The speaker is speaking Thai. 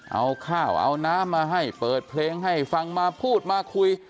เอาข้าวเอาน้ำมาให้เปิดเพลงให้ฟังมาพูดมาคุย